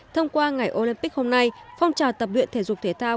thông qua ngày olympic hôm nay phong trào tập luyện thể dục thể thao